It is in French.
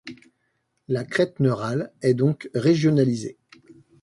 La crête neurale est donc régionalisée.